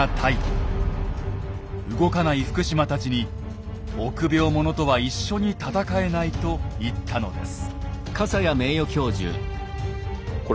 動かない福島たちに臆病者とは一緒に戦えないと言ったのです。